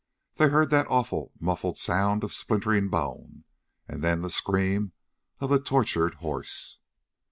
They heard that awful, muffled sound of splintering bone and then the scream of the tortured horse.